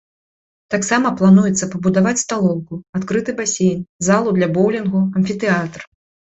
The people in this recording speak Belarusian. Таксама плануецца пабудаваць сталоўку, адкрыты басейн, залу для боўлінгу, амфітэатр.